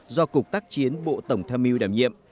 do cục tác chiến bộ tổng tham mưu đảm nhiệm